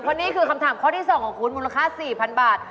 เพราะนี่คือคำถามข้อที่๒ของคุณมูลค่า๔๐๐๐บาท